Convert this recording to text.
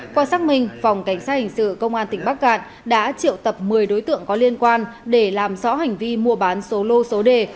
qua xác minh phòng cảnh sát hình sự công an tỉnh bắc cạn đã triệu tập một mươi đối tượng có liên quan để làm rõ hành vi mua bán số lô số đề